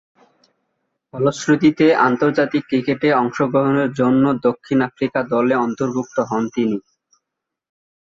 ফলশ্রুতিতে আন্তর্জাতিক ক্রিকেটে অংশগ্রহণের জন্যে দক্ষিণ আফ্রিকা দলে অন্তর্ভুক্ত হন তিনি।